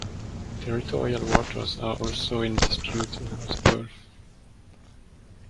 Territorial waters are also in dispute over the gulf.